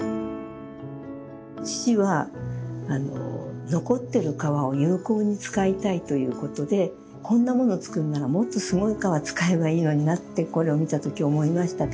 父は残ってる革を有効に使いたいということでこんなもの作るならもっとすごい革使えばいいのになってこれを見たとき思いましたけど。